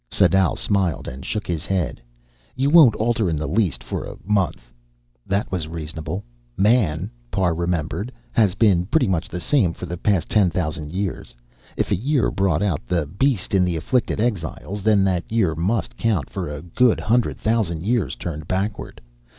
Sadau smiled and shook his head. "You won't alter in the least for a month." That was reasonable. Man, Parr remembered, has been pretty much the same for the past ten thousand years. If a year brought out the beast in the afflicted exiles, then that year must count for a good hundred thousand years turned backward.